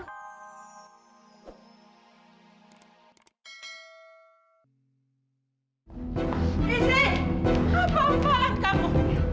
isi apa apaan kamu